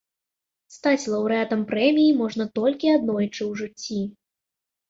Стаць лаўрэатам прэміі можна толькі аднойчы ў жыцці.